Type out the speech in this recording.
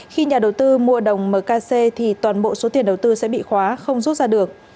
khi nhà đầu tư mua đồng mkc thì toàn bộ số tiền đầu tư sẽ bị khóa không rút ra được